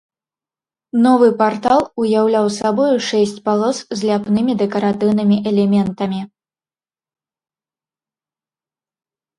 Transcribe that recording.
Новы партал уяўляў сабою шэсць палос з ляпнымі дэкаратыўнымі элементамі.